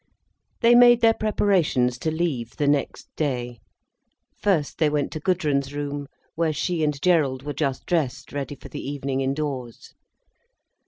They made their preparations to leave the next day. First they went to Gudrun's room, where she and Gerald were just dressed ready for the evening indoors.